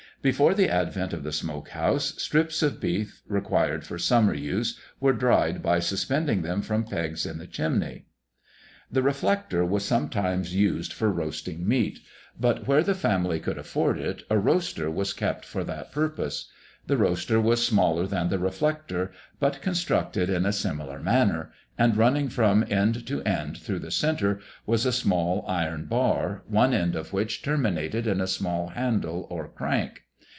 Before the advent of the smoke house, strips of beef required for summer use were dried by suspending them from pegs in the chimney. The reflector was sometimes used for roasting meat, but where the family could afford it, a roaster was kept for that purpose. The roaster was smaller than the reflector, but constructed in a similar manner and, running from end to end through the centre, was a small iron bar, one end of which terminated in a small handle or crank.